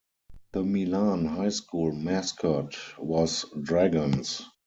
The Milan High School mascot was Dragons.